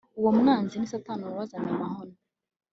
uwo mwanzi ni satani wazanye amahano